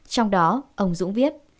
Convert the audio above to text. trong đó ông dũng viết